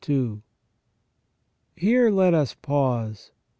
Here let us pause.